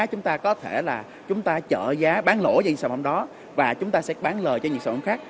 chúng ta có thể là chúng ta chở giá bán lỗ cho những sản phẩm đó và chúng ta sẽ bán lời cho những sản phẩm khác